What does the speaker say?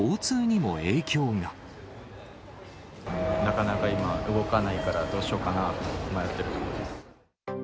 なかなか今、動かないから、どうしようかなと迷ってるところです。